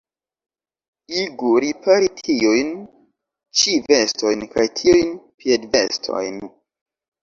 Igu ripari tiujn ĉi vestojn kaj tiujn piedvestojn.